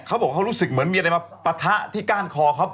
เขาบอกเขารู้สึกเหมือนมีอะไรมาปะทะที่ก้านคอเขา